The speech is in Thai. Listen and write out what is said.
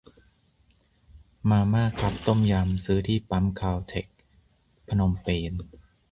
มาม่าคัพต้มยำ ซื้อที่ปั๊มคาลเท็กซ์พนมเปญ